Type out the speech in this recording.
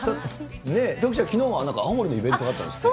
徳ちゃん、きのうは青森のイベントがあったんですって？